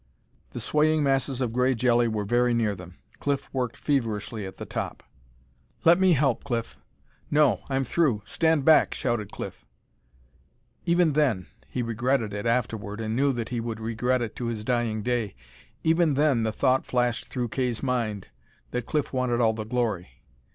_" The swaying masses of gray jelly were very near them. Cliff worked feverishly at the top. "Let me help. Cliff!" "No! I'm through! Stand back!" shouted Cliff. Even then he regretted it afterward, and knew that he would regret it to his dying day even then the thought flashed through Kay's mind that Cliff wanted all the glory.